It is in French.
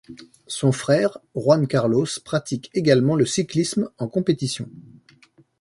Son frère Juan Carlos pratique également le cyclisme en compétition.